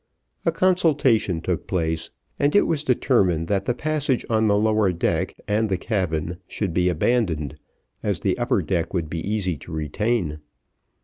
A consultation took place, and it was determined that the passage on the lower deck and the cabin should be abandoned, as the upper deck it would be easy to retain.